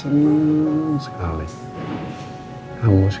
kamu sudah mulai membaik